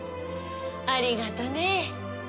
ありがとね。